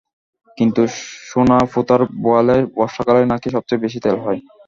কিন্তু সোনাপোতার বোয়ালে বর্ষাকালেই নাকি সবচেয়ে বেশি তেল হয়।